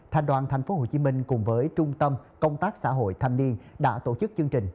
thành đoàn tp hcm cùng với trung tâm công tác xã hội thanh niên đã tổ chức chương trình